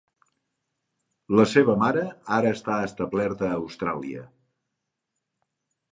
La seva mare està ara establerta a Austràlia.